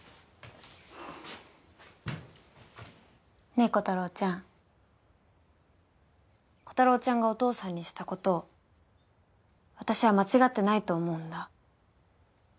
ねえコタローちゃんコタローちゃんがお父さんにした事私は間違ってないと思うんだ。